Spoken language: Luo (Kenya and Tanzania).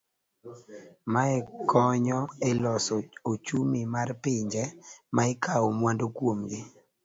Mae konyo e loso uchumi mar pinje ma ikawo mwandu kuom gi.